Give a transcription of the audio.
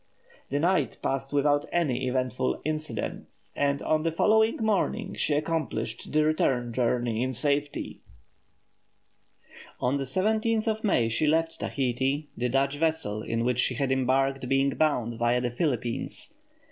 The night passed without any eventful incident, and on the following morning she accomplished the return journey in safety. On the 17th of May she left Tahiti, the Dutch vessel in which she had embarked being bound viâ the Philippines.